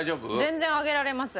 全然揚げられます。